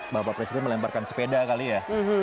bapak presiden melemparkan sepeda kali ya